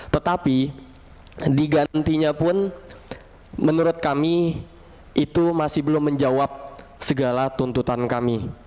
tetapi digantinya pun menurut kami itu masih belum menjawab segala tuntutan kami